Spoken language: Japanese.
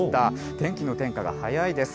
天気の変化が速いです。